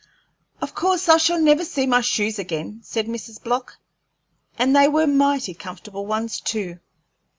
"Of course I shall never see my shoes again," said Mrs. Block; "and they were mighty comfortable ones, too.